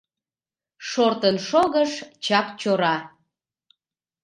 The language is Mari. Шортын шогыш Чакчора.